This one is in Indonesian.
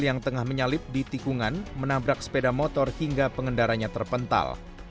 yang tengah menyalip di tikungan menabrak sepeda motor hingga pengendaranya terpental